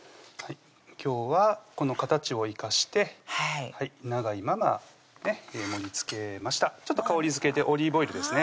今日はこの形を生かして長いまま盛りつけましたちょっと香りづけでオリーブオイルですね